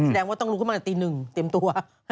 แสดงว่าต้องลุกขึ้นมาแต่ตี๑เตรียมตัว